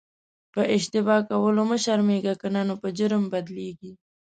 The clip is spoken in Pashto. په اشتباه کولو مه شرمېږه که نه نو په جرم بدلیږي.